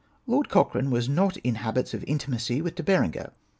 IjOED Cochrane was not in habits of intimacy with De Berenger.